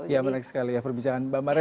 ya menarik sekali ya perbincangan mbak mara